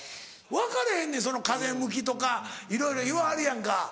分かれへんねんその風向きとかいろいろ言わはるやんか。